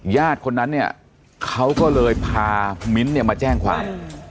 คนนั้นเนี่ยเขาก็เลยพามิ้นท์เนี่ยมาแจ้งความ